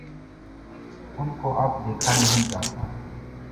ان کو اب دیکھا نہیں جاتا۔